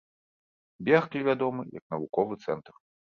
Берклі вядомы як навуковы цэнтр.